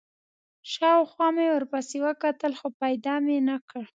شاوخوا مې ورپسې وکتل، خو پیدا مې نه کړ.